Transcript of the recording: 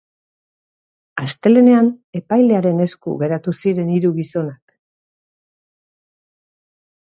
Astelehenean epailearen esku geratu ziren hiru gizonak.